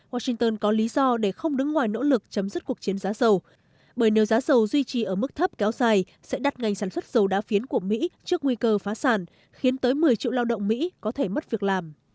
washington có lý do để không đứng ngoài nỗ lực chấm dứt cuộc chiến giá dầu bởi nếu giá dầu duy trì ở mức thấp kéo dài sẽ đặt ngành sản xuất dầu đá phiến của mỹ trước nguy cơ phá sản khiến tới một mươi triệu lao động mỹ có thể mất việc làm